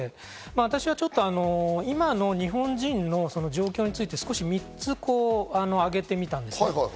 私はちょっと今の日本人の状況について、３つ挙げてみたんです。